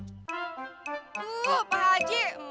tuh pak haji